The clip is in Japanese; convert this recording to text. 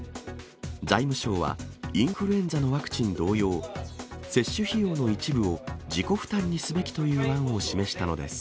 財務省は、インフルエンザのワクチン同様、接種費用の一部を自己負担にすべきという案を示したのです。